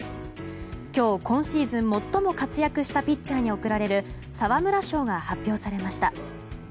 今日、今シーズン最も活躍したピッチャーに贈られる沢村賞が発表されました。